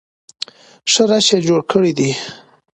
ښه رش یې جوړ کړی وي.